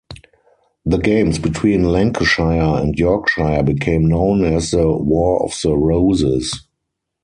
The games between Lancashire and Yorkshire became known as the "War of the Roses".